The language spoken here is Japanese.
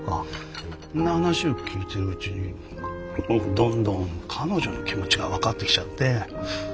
そんな話を聞いてるうちに僕どんどん彼女の気持ちが分かってきちゃって。